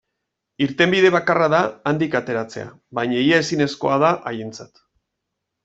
Irtenbide bakarra da handik ateratzea, baina ia ezinezkoa da haientzat.